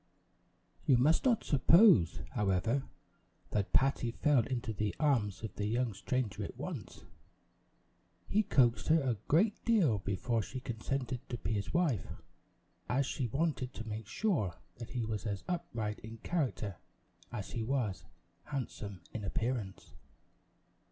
You must not suppose, however, that Patty fell into the arms of the young stranger at once. He coaxed her a great deal before she consented to be his wife; as she wanted to make sure that he was as upright in character as he was handsome in appearance.